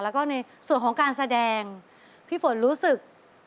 แล้วก็ในส่วนของการแสดงพี่ฝนรู้สึก